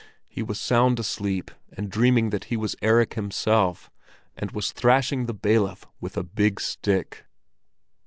He was sound asleep and dreaming that he was Erik himself, and was thrashing the bailiff with a big stick.